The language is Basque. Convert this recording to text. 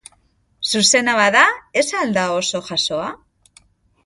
Zuzena bada, ez al da oso jasoa?